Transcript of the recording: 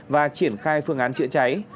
và triển khai phương án chữa cháy